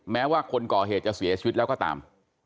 แม้ว่าคนก่อเหตุจะเสียชีวิตแล้วก็ตาม